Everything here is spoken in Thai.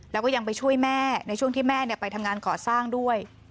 แล้วก็ยังไปช่วยแม่ในช่วงที่แม่ไปทำงานก่อสร้างด้วย